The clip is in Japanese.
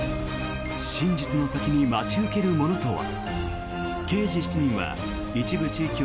真実の先に待ち受けるものとは？